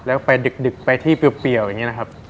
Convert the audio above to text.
แล้วก็ไปดึกไปที่เปรียวอย่างนี้นะครับ